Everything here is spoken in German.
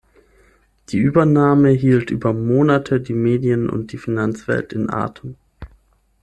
Die Übernahme hielt über Monate die Medien und die Finanzwelt in Atem.